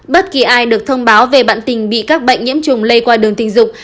bất kỳ ai được thông báo về bạn tình bị các bệnh nhiễm trùng lây qua đường tình dục